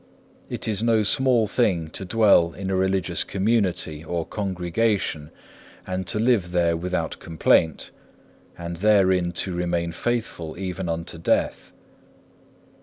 It is no small thing to dwell in a religious community or congregation, and to live there without complaint, and therein to remain faithful even unto death.